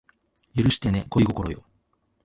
許してね恋心よ